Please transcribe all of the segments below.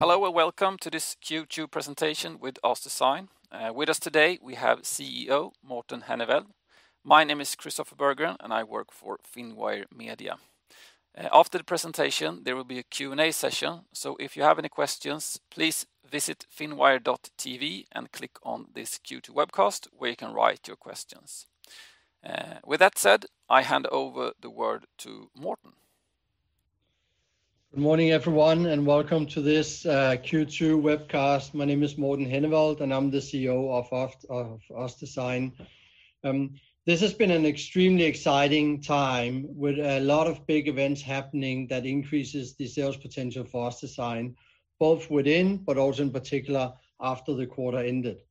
Hello and welcome to this Q2 presentation with OssDsign. With us today, we have CEO Morten Henneveld. My name is Kristofer Berggren, and I work for Finwire Media. After the presentation, there will be a Q&A session, so if you have any questions, please visit finwire.tv and click on this Q2 webcast where you can write your questions. With that said, I hand over the word to Morten. Good morning, everyone, and welcome to this Q2 webcast. My name is Morten Henneveld, and I'm the CEO of OssDsign. This has been an extremely exciting time with a lot of big events happening that increase the sales potential for OssDsign, both within but also in particular after the quarter ended.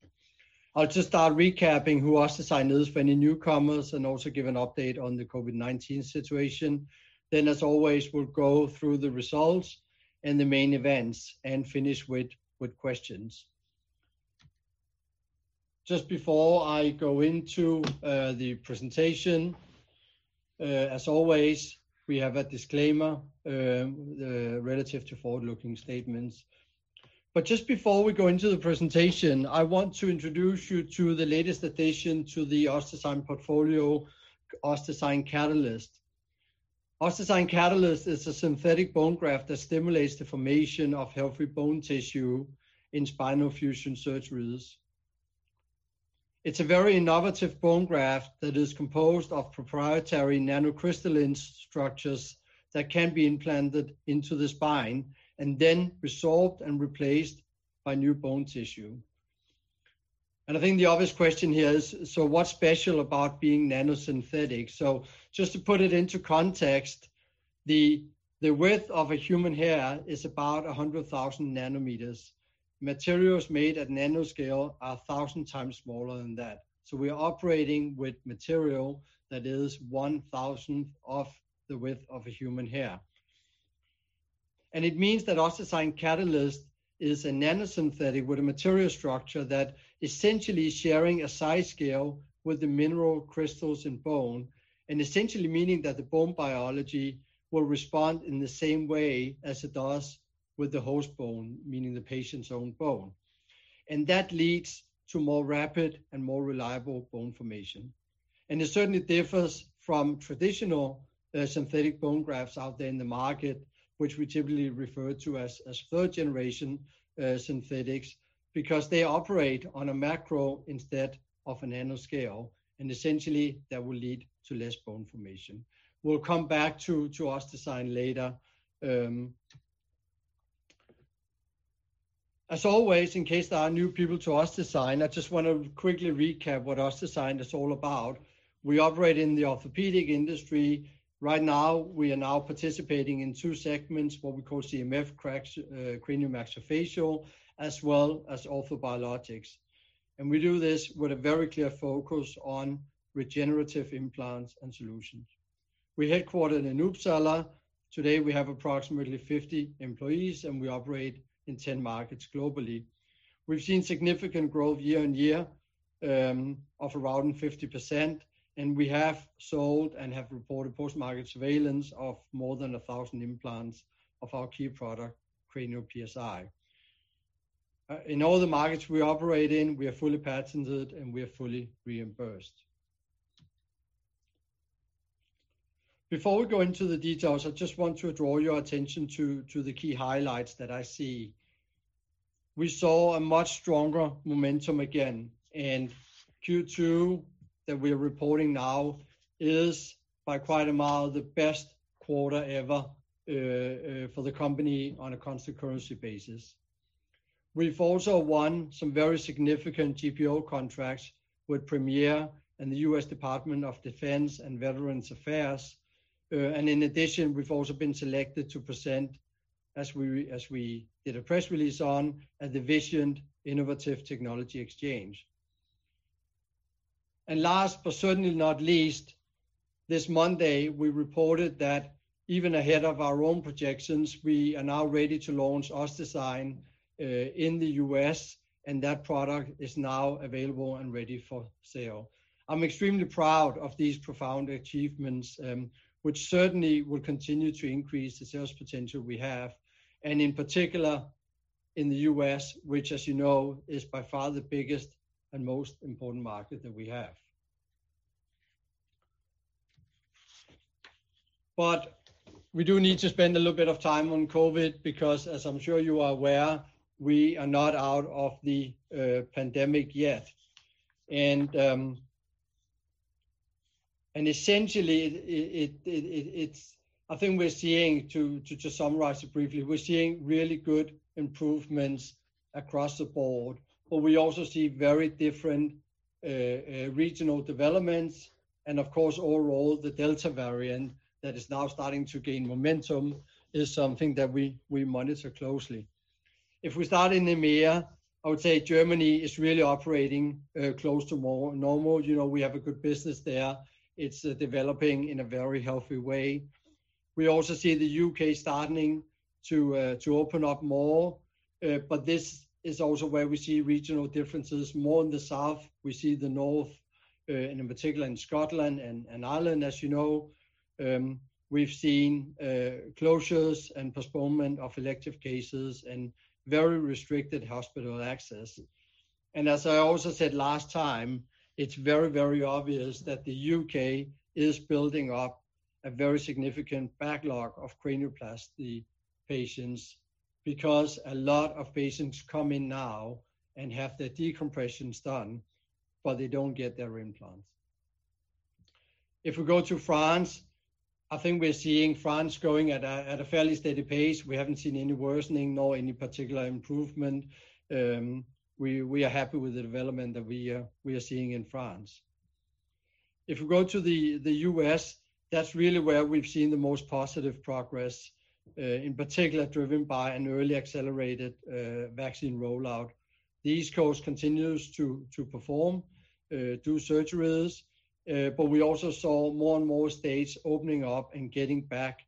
I'll just start recapping who OssDsign is for any newcomers and also give an update on the COVID-19 situation. Then, as always, we'll go through the results and the main events and finish with questions. Just before I go into the presentation, as always, we have a disclaimer relative to forward-looking statements. But just before we go into the presentation, I want to introduce you to the latest addition to the OssDsign portfolio, OssDsign Catalyst. OssDsign Catalyst is a synthetic bone graft that stimulates the formation of healthy bone tissue in spinal fusion surgeries. It's a very innovative bone graft that is composed of proprietary nanocrystalline structures that can be implanted into the spine and then resolved and replaced by new bone tissue. And I think the obvious question here is, so what's special about being nanosynthetic? So just to put it into context, the width of a human hair is about 100,000 nanometers. Materials made at nanoscale are 1,000 times smaller than that. So we are operating with material that is 1/1,000th of the width of a human hair. And it means that OssDsign Catalyst is a nanosynthetic with a material structure that essentially is sharing a size scale with the mineral crystals in bone, and essentially meaning that the bone biology will respond in the same way as it does with the host bone, meaning the patient's own bone. And that leads to more rapid and more reliable bone formation. It certainly differs from traditional synthetic bone grafts out there in the market, which we typically refer to as third-generation synthetics because they operate on a macro instead of a nanoscale. Essentially, that will lead to less bone formation. We'll come back to OssDsign later. As always, in case there are new people to OssDsign, I just want to quickly recap what OssDsign is all about. We operate in the orthopedic industry. Right now, we are now participating in two segments, what we call CMF, cranial maxillofacial, as well as orthobiologics. We do this with a very clear focus on regenerative implants and solutions. We're headquartered in Uppsala. Today, we have approximately 50 employees, and we operate in 10 markets globally. We've seen significant growth year on year of around 50%, and we have sold and have reported post-market surveillance of more than 1,000 implants of our key product, Cranial PSI. In all the markets we operate in, we are fully patented, and we are fully reimbursed. Before we go into the details, I just want to draw your attention to the key highlights that I see. We saw a much stronger momentum again, and Q2 that we are reporting now is by quite a mile the best quarter ever for the company on a constant currency basis. We've also won some very significant GPO contracts with Premier and the U.S. Department of Defense and Veterans Affairs, and in addition, we've also been selected to present, as we did a press release on, at the Vizient Innovative Technology Exchange. And last but certainly not least, this Monday, we reported that even ahead of our own projections, we are now ready to launch OssDsign in the U.S., and that product is now available and ready for sale. I'm extremely proud of these profound achievements, which certainly will continue to increase the sales potential we have, and in particular in the U.S., which, as you know, is by far the biggest and most important market that we have. But we do need to spend a little bit of time on COVID because, as I'm sure you are aware, we are not out of the pandemic yet. And essentially, I think we're seeing, to just summarize it briefly, we're seeing really good improvements across the board. But we also see very different regional developments. Of course, overall, the Delta variant that is now starting to gain momentum is something that we monitor closely. If we start in EMEA, I would say Germany is really operating close to normal. We have a good business there. It's developing in a very healthy way. We also see the UK starting to open up more. But this is also where we see regional differences, more in the south. We see the north, and in particular in Scotland and Ireland, as you know. We've seen closures and postponement of elective cases and very restricted hospital access. And as I also said last time, it's very, very obvious that the UK is building up a very significant backlog of cranioplasty patients because a lot of patients come in now and have their decompressions done, but they don't get their implants. If we go to France, I think we're seeing France going at a fairly steady pace. We haven't seen any worsening nor any particular improvement. We are happy with the development that we are seeing in France. If we go to the U.S., that's really where we've seen the most positive progress, in particular driven by an early accelerated vaccine rollout. The East Coast continues to perform, do surgeries. But we also saw more and more states opening up and getting back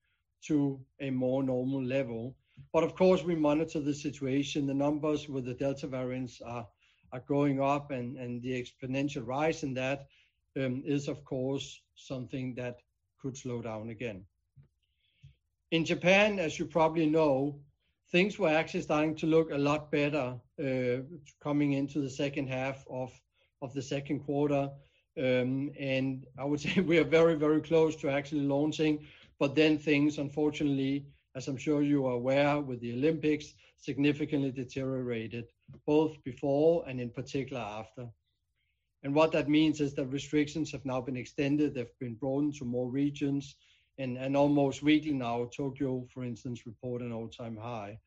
to a more normal level. But of course, we monitor the situation. The numbers with the Delta variants are going up, and the exponential rise in that is, of course, something that could slow down again. In Japan, as you probably know, things were actually starting to look a lot better coming into the second half of the second quarter. And I would say we are very, very close to actually launching. But then things, unfortunately, as I'm sure you are aware with the Olympics, significantly deteriorated, both before and in particular after. And what that means is that restrictions have now been extended. They've been broadened to more regions. And almost weekly now, Tokyo, for instance, reported an all-time high.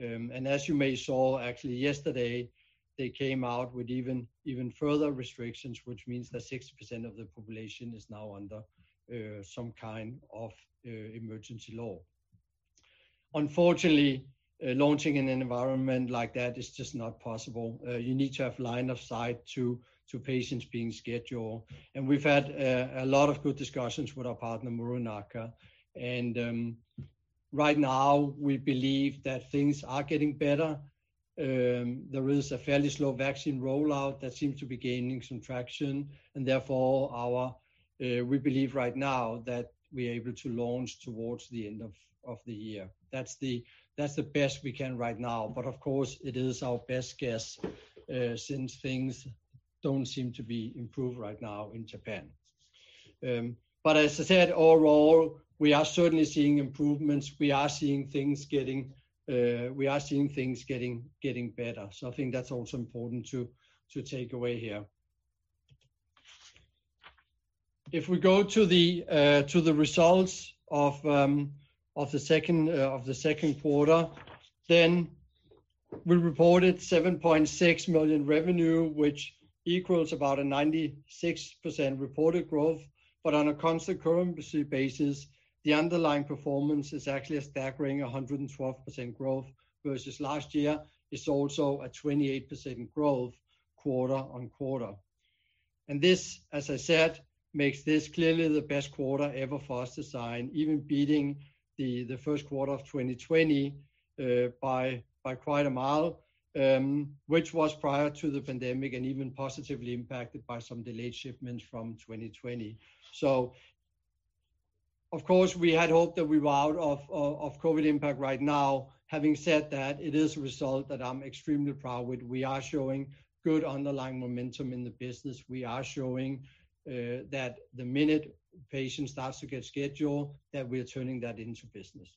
And as you may saw, actually yesterday, they came out with even further restrictions, which means that 60% of the population is now under some kind of emergency law. Unfortunately, launching in an environment like that is just not possible. You need to have line of sight to patients being scheduled. And we've had a lot of good discussions with our partner, Muranaka. And right now, we believe that things are getting better. There is a fairly slow vaccine rollout that seems to be gaining some traction. Therefore, we believe right now that we are able to launch towards the end of the year. That's the best we can right now. Of course, it is our best guess since things don't seem to be improved right now in Japan. As I said, overall, we are certainly seeing improvements. We are seeing things getting better. I think that's also important to take away here. If we go to the results of the second quarter, then we reported 7.6 million revenue, which equals about a 96% reported growth. On a constant currency basis, the underlying performance is actually staggering 112% growth versus last year. It's also a 28% growth quarter on quarter. This, as I said, makes this clearly the best quarter ever for OssDsign, even beating the first quarter of 2020 by quite a mile, which was prior to the pandemic and even positively impacted by some delayed shipments from 2020. So of course, we had hoped that we were out of COVID impact right now. Having said that, it is a result that I'm extremely proud with. We are showing good underlying momentum in the business. We are showing that the minute patients start to get scheduled, that we are turning that into business.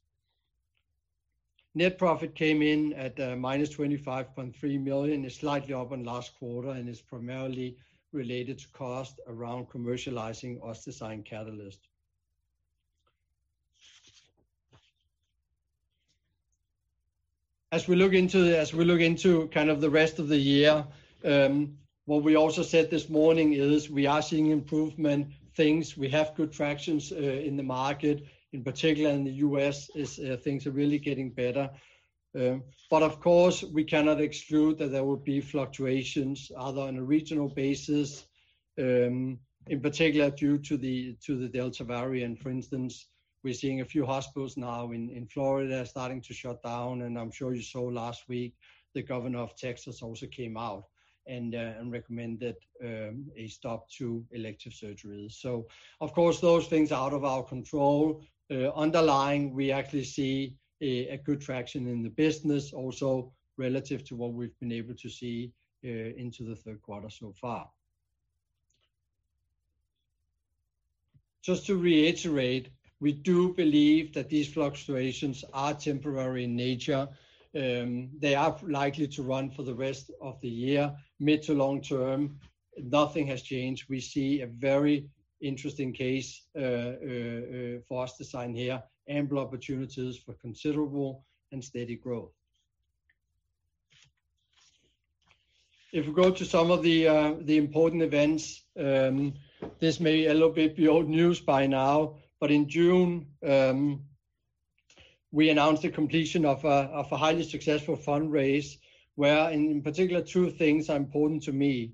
Net profit came in at -25.3 million. It's slightly up in last quarter, and it's primarily related to cost around commercializing OssDsign Catalyst. As we look into kind of the rest of the year, what we also said this morning is we are seeing improvement. Things we have good traction in the market, in particular in the U.S., as things are really getting better. But of course, we cannot exclude that there will be fluctuations either on a regional basis, in particular due to the Delta variant. For instance, we're seeing a few hospitals now in Florida starting to shut down. And I'm sure you saw last week, the governor of Texas also came out and recommended a stop to elective surgeries. So of course, those things are out of our control. Underlying, we actually see a good traction in the business, also relative to what we've been able to see into the third quarter so far. Just to reiterate, we do believe that these fluctuations are temporary in nature. They are likely to run for the rest of the year, mid to long term. Nothing has changed. We see a very interesting case for OssDsign here, ample opportunities for considerable and steady growth. If we go to some of the important events, this may be a little bit old news by now. But in June, we announced the completion of a highly successful fundraise, where in particular, two things are important to me.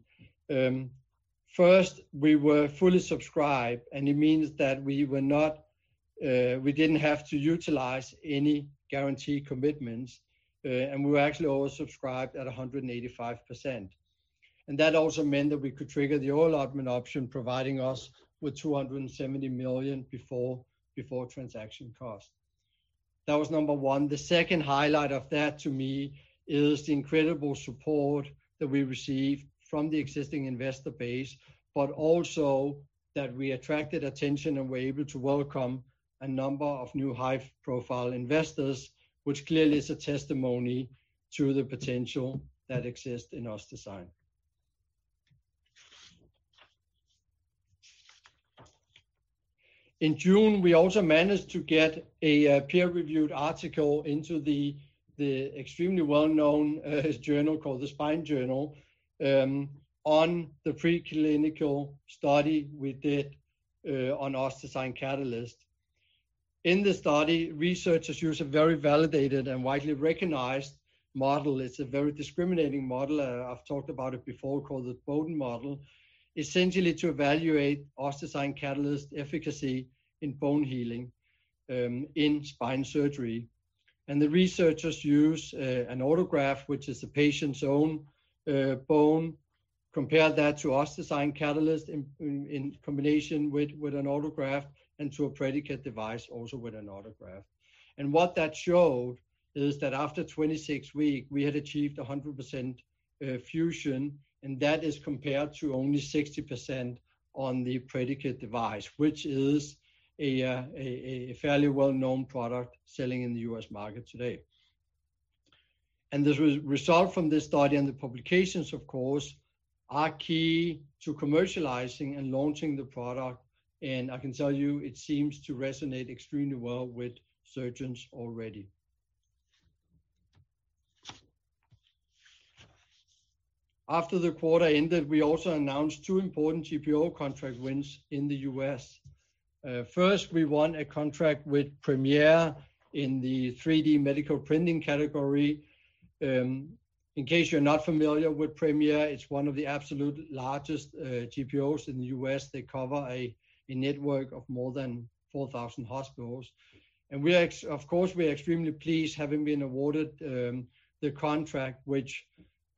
First, we were fully subscribed, and it means that we didn't have to utilize any guarantee commitments. And we were actually all subscribed at 185%. And that also meant that we could trigger the over-allotment option, providing us with 270 million before transaction cost. That was number one. The second highlight of that to me is the incredible support that we received from the existing investor base, but also that we attracted attention and were able to welcome a number of new high-profile investors, which clearly is a testimony to the potential that exists in OssDsign. In June, we also managed to get a peer-reviewed article into the extremely well-known journal called The Spine Journal on the preclinical study we did on OssDsign Catalyst. In the study, researchers use a very validated and widely recognized model. It's a very discriminating model. I've talked about it before, called the Boden model, essentially to evaluate OssDsign Catalyst efficacy in bone healing in spine surgery, and the researchers use an autograft, which is the patient's own bone, compared that to OssDsign Catalyst in combination with an autograft and to a predicate device also with an autograft. What that showed is that after 26 weeks, we had achieved 100% fusion. That is compared to only 60% on the predicate device, which is a fairly well-known product selling in the U.S. market today. The result from this study and the publications, of course, are key to commercializing and launching the product. I can tell you, it seems to resonate extremely well with surgeons already. After the quarter ended, we also announced two important GPO contract wins in the U.S. First, we won a contract with Premier in the 3D medical printing category. In case you're not familiar with Premier, it's one of the absolute largest GPOs in the U.S. They cover a network of more than 4,000 hospitals. Of course, we are extremely pleased having been awarded the contract, which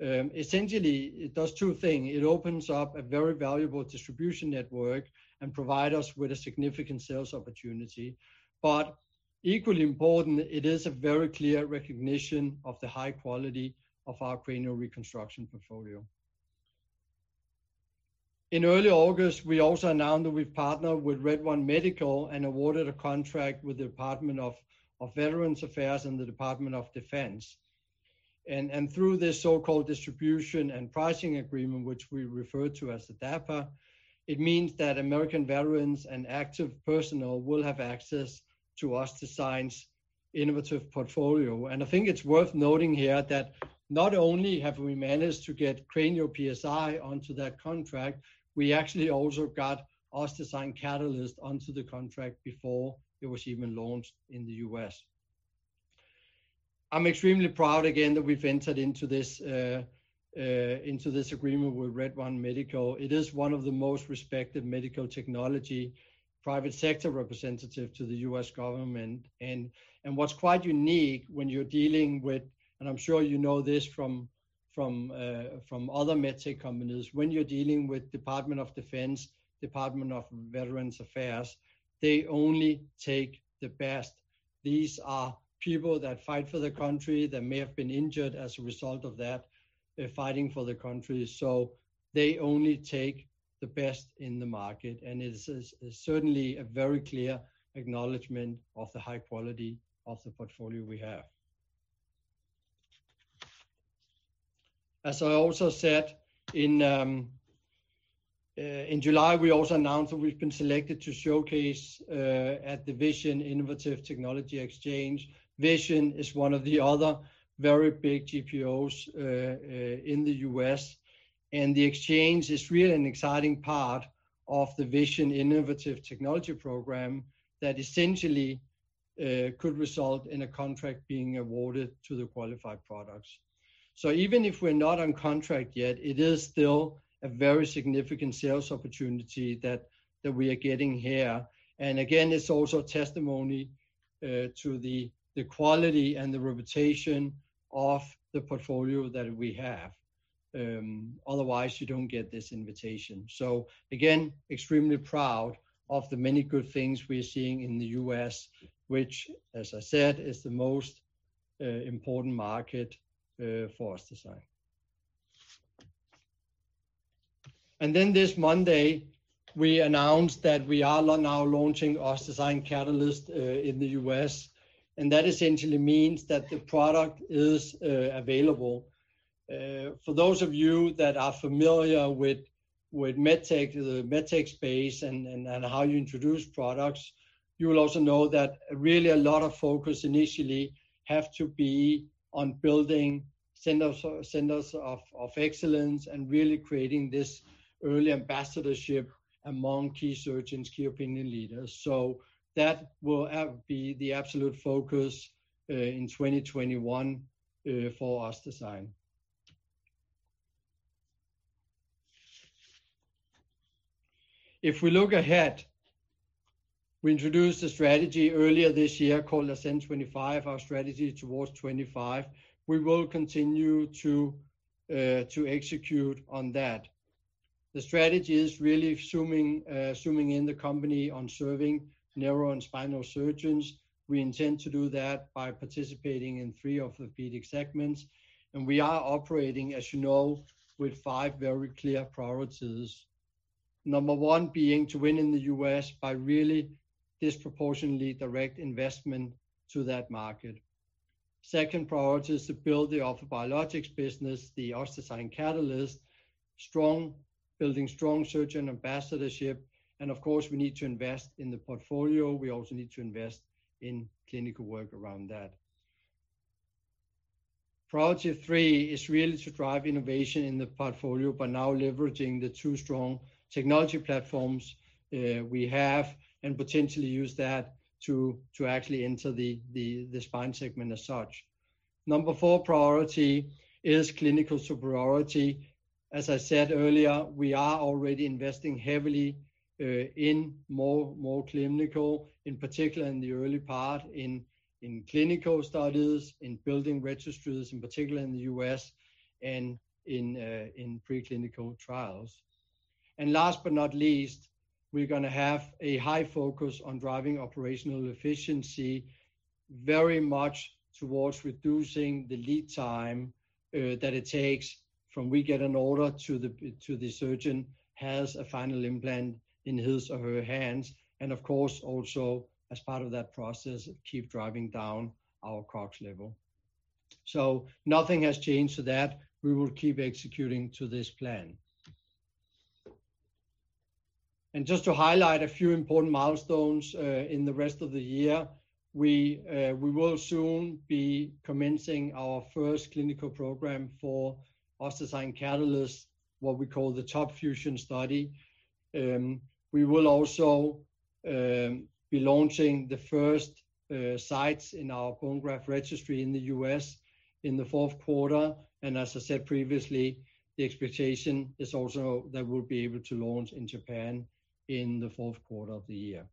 essentially does two things. It opens up a very valuable distribution network and provides us with a significant sales opportunity. But equally important, it is a very clear recognition of the high quality of our cranial reconstruction portfolio. In early August, we also announced that we've partnered with Red One Medical and awarded a contract with the Department of Veterans Affairs and the Department of Defense. And through this so-called distribution and pricing agreement, which we refer to as the DAPA, it means that American veterans and active personnel will have access to OssDsign's innovative portfolio. And I think it's worth noting here that not only have we managed to get Cranial PSI onto that contract, we actually also got OssDsign Catalyst onto the contract before it was even launched in the U.S. I'm extremely proud again that we've entered into this agreement with RedOne Medical. It is one of the most respected medical technology private sector representatives to the U.S. government, and what's quite unique when you're dealing with, and I'm sure you know this from other med tech companies, when you're dealing with Department of Defense, Department of Veterans Affairs, they only take the best. These are people that fight for the country that may have been injured as a result of that fighting for the country, so they only take the best in the market, and it is certainly a very clear acknowledgment of the high quality of the portfolio we have. As I also said, in July, we also announced that we've been selected to showcase at the Vizient Innovative Technology Exchange. Vizient is one of the other very big GPOs in the U.S. The exchange is really an exciting part of the Vizient Innovative Technology program that essentially could result in a contract being awarded to the qualified products. So even if we're not on contract yet, it is still a very significant sales opportunity that we are getting here. And again, it's also a testimony to the quality and the reputation of the portfolio that we have. Otherwise, you don't get this invitation. So again, extremely proud of the many good things we are seeing in the U.S., which, as I said, is the most important market for OssDsign. And then this Monday, we announced that we are now launching OssDsign Catalyst in the U.S. And that essentially means that the product is available. For those of you that are familiar with med tech, the med tech space, and how you introduce products, you will also know that really a lot of focus initially has to be on building centers of excellence and really creating this early ambassadorship among key surgeons, key opinion leaders. So that will be the absolute focus in 2021 for OssDsign. If we look ahead, we introduced a strategy earlier this year called Ascent25, our strategy towards 25. We will continue to execute on that. The strategy is really zooming in the company on serving neuro and spinal surgeons. We intend to do that by participating in three orthopedic segments. And we are operating, as you know, with five very clear priorities. Number one being to win in the U.S. by really disproportionately direct investment to that market. Second priority is to build the biologics business, the OssDsign Catalyst, building strong surgeon ambassadorship. And of course, we need to invest in the portfolio. We also need to invest in clinical work around that. Priority three is really to drive innovation in the portfolio by now leveraging the two strong technology platforms we have and potentially use that to actually enter the spine segment as such. Number four priority is clinical superiority. As I said earlier, we are already investing heavily in more clinical, in particular in the early part, in clinical studies, in building registries, in particular in the U.S. and in preclinical trials. And last but not least, we're going to have a high focus on driving operational efficiency very much towards reducing the lead time that it takes from we get an order to the surgeon has a final implant in his or her hands. Of course, also as part of that process, keep driving down our cost level. So nothing has changed to that. We will keep executing to this plan. And just to highlight a few important milestones in the rest of the year, we will soon be commencing our first clinical program for OssDsign Catalyst, what we call the TOP FUSION study. We will also be launching the first sites in our bone graft registry in the U.S. in the fourth quarter. And as I said previously, the expectation is also that we'll be able to launch in Japan in the fourth quarter of the year.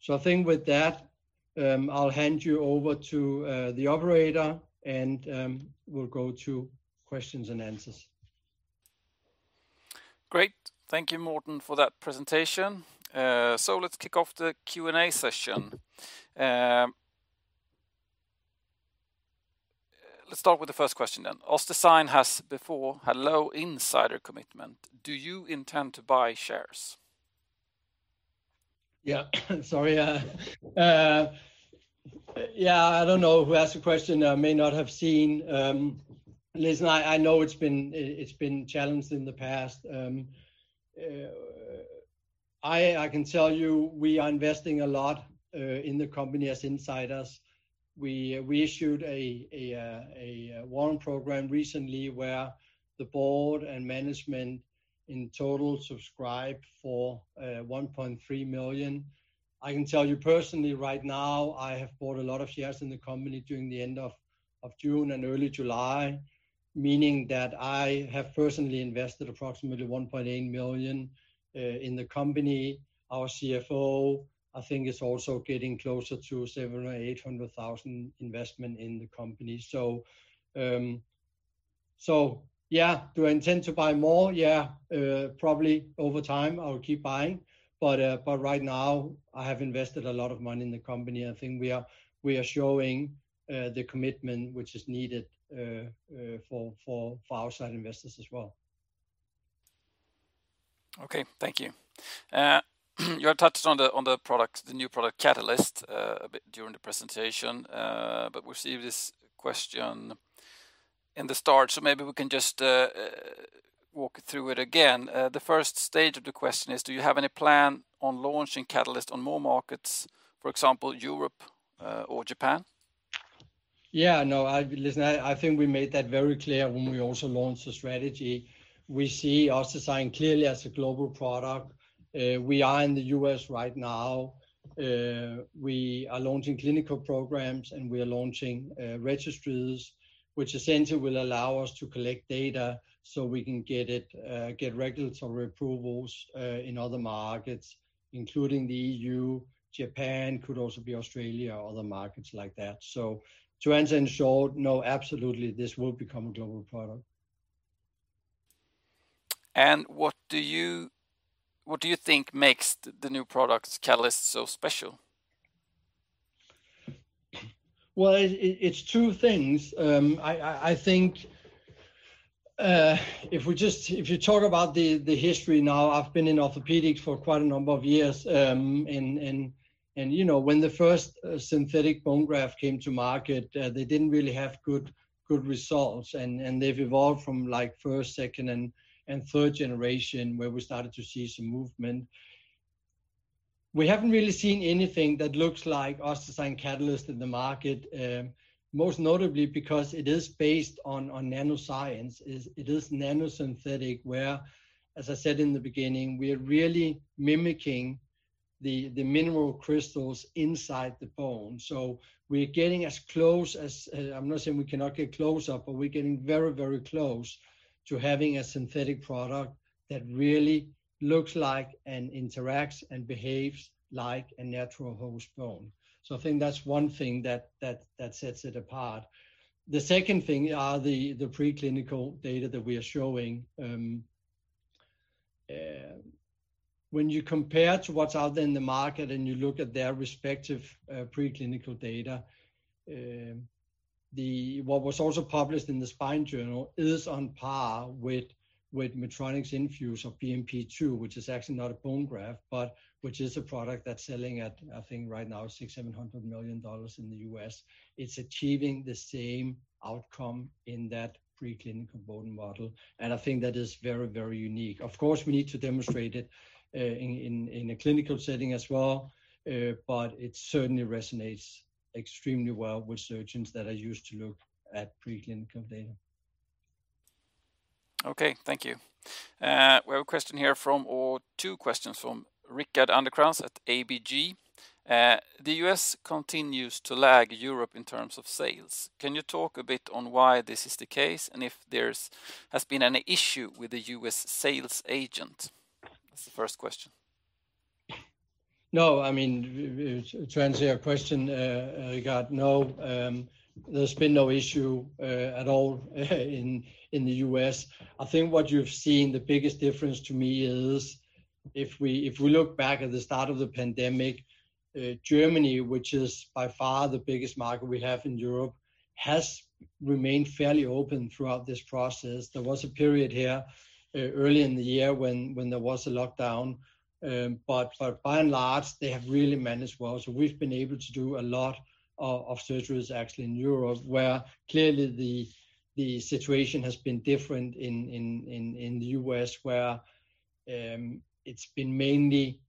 So I think with that, I'll hand you over to the operator, and we'll go to questions and answers. Great. Thank you, Morten, for that presentation. So let's kick off the Q&A session. Let's start with the first question then. OssDsign has before had low insider commitment. Do you intend to buy shares? Yeah. Sorry. Yeah. I don't know who asked the question. I may not have seen. Listen, I know it's been challenged in the past. I can tell you we are investing a lot in the company as insiders. We issued a warrant program recently where the board and management in total subscribed for 1.3 million. I can tell you personally right now, I have bought a lot of shares in the company during the end of June and early July, meaning that I have personally invested approximately 1.8 million in the company. Our CFO, I think, is also getting closer to 700,000-800,000 investment in the company. So yeah, do I intend to buy more? Yeah. Probably over time, I'll keep buying. But right now, I have invested a lot of money in the company. I think we are showing the commitment which is needed for outside investors as well. Okay. Thank you. You had touched on the new product, Catalyst, a bit during the presentation. But we received this question in the start. So maybe we can just walk through it again. The first stage of the question is, do you have any plan on launching Catalyst on more markets, for example, Europe or Japan? Yeah. No, listen, I think we made that very clear when we also launched the strategy. We see OssDsign clearly as a global product. We are in the U.S. right now. We are launching clinical programs, and we are launching registries, which essentially will allow us to collect data so we can get regulatory approvals in other markets, including the EU, Japan, could also be Australia, other markets like that. So to answer in short, no, absolutely, this will become a global product. What do you think makes the new product, Catalyst, so special? It's two things. I think if you talk about the history now, I've been in orthopedics for quite a number of years, and when the first synthetic bone graft came to market, they didn't really have good results, and they've evolved from first, second, and third generation where we started to see some movement. We haven't really seen anything that looks like OssDsign Catalyst in the market, most notably because it is based on nanoscience. It is nanosynthetic where, as I said in the beginning, we are really mimicking the mineral crystals inside the bone. So we're getting as close as I'm not saying we cannot get closer, but we're getting very, very close to having a synthetic product that really looks like and interacts and behaves like a natural host bone. So I think that's one thing that sets it apart. The second thing are the preclinical data that we are showing. When you compare to what's out there in the market and you look at their respective preclinical data, what was also published in the Spine Journal is on par with Medtronic's Infuse of BMP-2, which is actually not a bone graft, but which is a product that's selling at, I think right now, $600 million-$700 million in the U.S. It's achieving the same outcome in that preclinical bone model, and I think that is very, very unique. Of course, we need to demonstrate it in a clinical setting as well, but it certainly resonates extremely well with surgeons that are used to look at preclinical data. Okay. Thank you. We have a question here from, or two questions from Rickard Anderkrans at ABG. The U.S. continues to lag Europe in terms of sales. Can you talk a bit on why this is the case and if there has been any issue with the U.S. sales agent? That's the first question. No. I mean, to answer your question, I got no. There's been no issue at all in the U.S. I think what you've seen, the biggest difference to me is if we look back at the start of the pandemic, Germany, which is by far the biggest market we have in Europe, has remained fairly open throughout this process. There was a period here early in the year when there was a lockdown. But by and large, they have really managed well. So we've been able to do a lot of surgeries actually in Europe where clearly the situation has been different in the U.S. where it's been mainly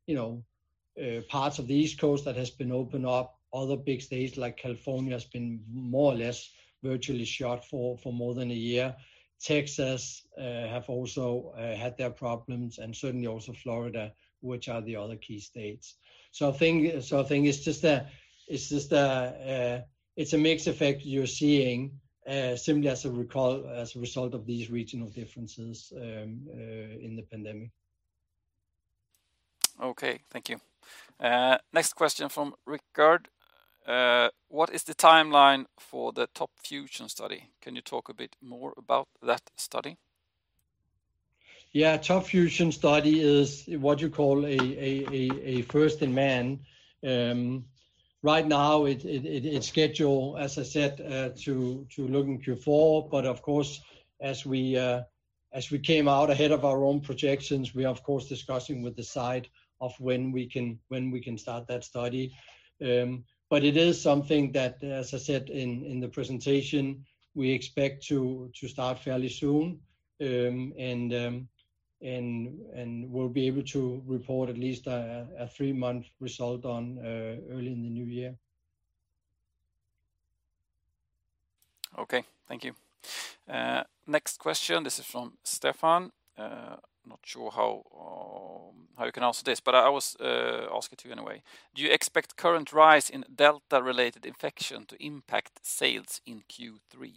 parts of the East Coast that have been opened up. Other big states like California has been more or less virtually shut for more than a year. Texas have also had their problems and certainly also Florida, which are the other key states, so I think it's just a mixed effect you're seeing simply as a result of these regional differences in the pandemic. Okay. Thank you. Next question from Rickard. What is the timeline for the TOP FUSION study? Can you talk a bit more about that study? Yeah. TOP FUSION study is what you call a first-in-man. Right now, it's scheduled, as I said, to launch in Q4. But of course, as we came out ahead of our own projections, we are, of course, discussing with the site on when we can start that study. But it is something that, as I said in the presentation, we expect to start fairly soon. And we'll be able to report at least a three-month result early in the new year. Okay. Thank you. Next question. This is from Stephan. Not sure how you can answer this, but I was asking to you anyway. Do you expect current rise in delta-related infection to impact sales in Q3?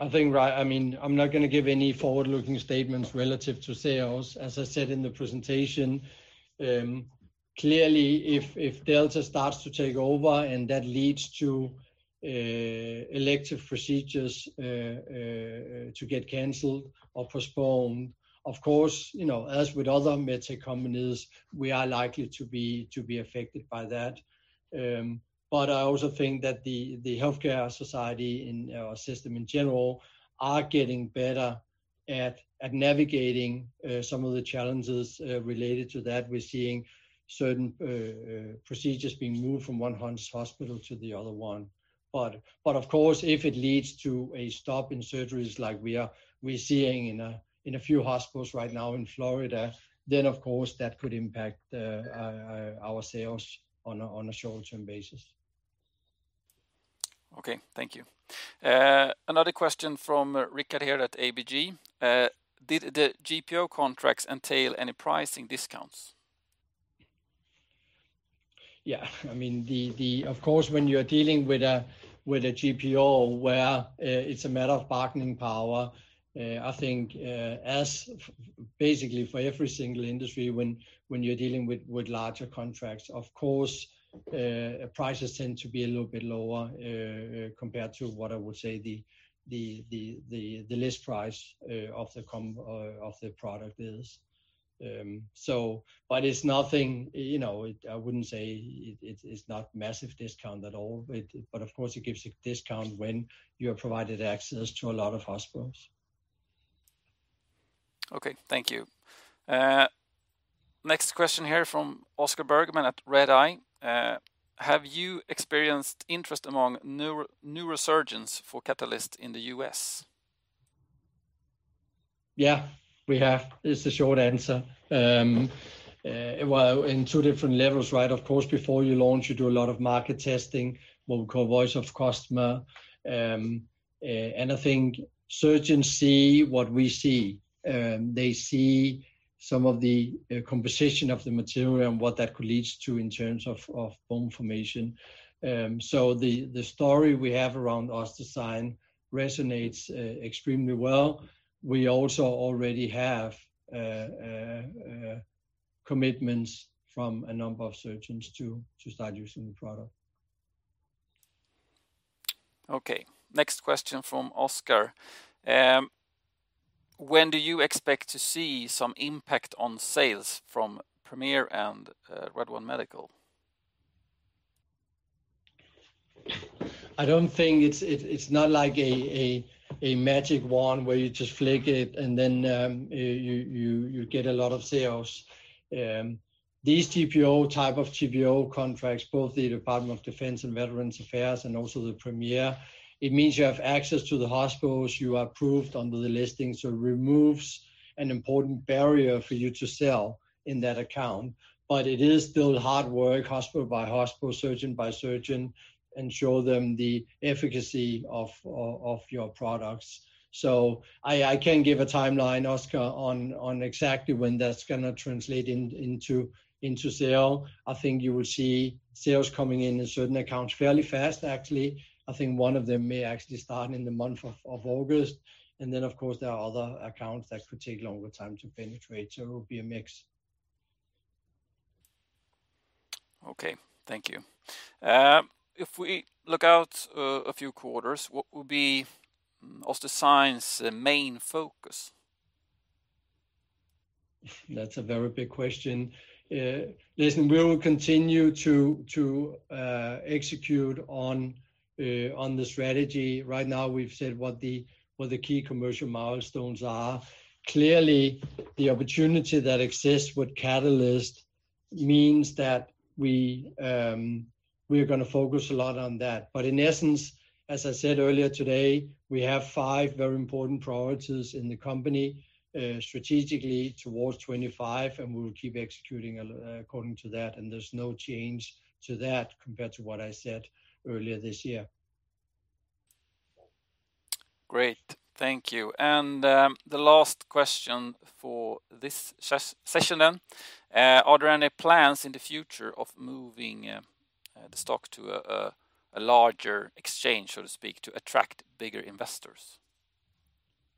I think, right, I mean, I'm not going to give any forward-looking statements relative to sales. As I said in the presentation, clearly, if delta starts to take over and that leads to elective procedures to get canceled or postponed, of course, as with other med tech companies, we are likely to be affected by that. But I also think that the healthcare society in our system in general are getting better at navigating some of the challenges related to that. We're seeing certain procedures being moved from one hospital to the other one. But of course, if it leads to a stop in surgeries like we're seeing in a few hospitals right now in Florida, then of course, that could impact our sales on a short-term basis. Okay. Thank you. Another question from Rickard here at ABG. Did the GPO contracts entail any pricing discounts? Yeah. I mean, of course, when you're dealing with a GPO where it's a matter of bargaining power, I think, basically, for every single industry when you're dealing with larger contracts, of course, prices tend to be a little bit lower compared to what I would say the list price of the product is, but it's nothing I wouldn't say it's not massive discount at all, but of course, it gives a discount when you are provided access to a lot of hospitals. Okay. Thank you. Next question here from Oscar Bergman at Redeye. Have you experienced interest among newer surgeons for Catalyst in the U.S.? Yeah, we have. It's a short answer. Well, in two different levels, right? Of course, before you launch, you do a lot of market testing, what we call voice of customer. And I think surgeons see what we see. They see some of the composition of the material and what that could lead to in terms of bone formation. So the story we have around OssDsign resonates extremely well. We also already have commitments from a number of surgeons to start using the product. Okay. Next question from Oscar. When do you expect to see some impact on sales from Premier and Red One Medical? I don't think it's not like a magic wand where you just flick it and then you get a lot of sales. These type of GPO contracts, both the Department of Defense and Veterans Affairs and also the Premier, it means you have access to the hospitals. You are approved under the listing. So it removes an important barrier for you to sell in that account. But it is still hard work, hospital by hospital, surgeon by surgeon, and show them the efficacy of your products. So I can't give a timeline, Oscar, on exactly when that's going to translate into sale. I think you will see sales coming in in certain accounts fairly fast, actually. I think one of them may actually start in the month of August. And then, of course, there are other accounts that could take longer time to penetrate. So it will be a mix. Okay. Thank you. If we look out a few quarters, what will be OssDsign's main focus? That's a very big question. Listen, we will continue to execute on the strategy. Right now, we've said what the key commercial milestones are. Clearly, the opportunity that exists with Catalyst means that we are going to focus a lot on that, but in essence, as I said earlier today, we have five very important priorities in the company strategically towards 2025, and we will keep executing according to that, and there's no change to that compared to what I said earlier this year. Great. Thank you. And the last question for this session then. Are there any plans in the future of moving the stock to a larger exchange, so to speak, to attract bigger investors?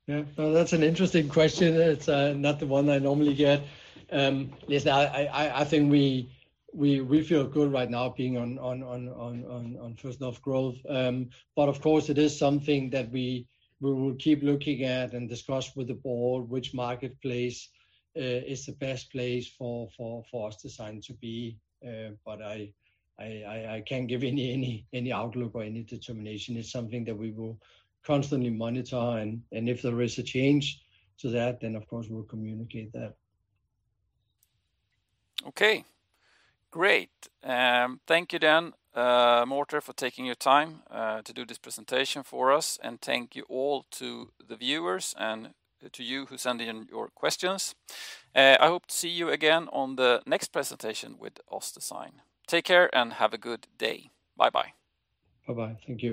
Yeah. No, that's an interesting question. It's not the one I normally get. Listen, I think we feel good right now being on First North Growth, but of course, it is something that we will keep looking at and discuss with the board which marketplace is the best place for OssDsign to be, but I can't give any outlook or any determination. It's something that we will constantly monitor, and if there is a change to that, then of course, we'll communicate that. Okay. Great. Thank you then, Morten, for taking your time to do this presentation for us. And thank you all to the viewers and to you who sent in your questions. I hope to see you again on the next presentation with OssDsign. Take care and have a good day. Bye-bye. Bye-bye. Thank you.